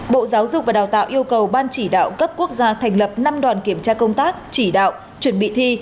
bộ giáo dục và đào tạo yêu cầu ban chỉ đạo cấp quốc gia thành lập năm đoàn kiểm tra công tác chỉ đạo chuẩn bị thi